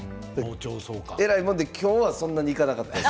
偉いもんで今日はそんなに行かなかったです。